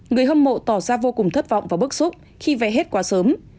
người hâm mộ tỏ ra vô cùng thất vọng và bức xúc khi về hết quá sớm